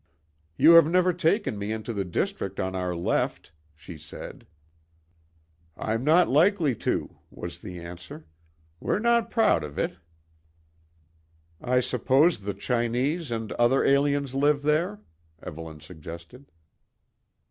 "You have never taken me into the district on our left," she said. "I'm no likely to," was the answer. "We're no proud of it." "I suppose the Chinese and other aliens live there," Evelyn suggested.